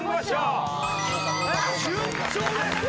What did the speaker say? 順調です。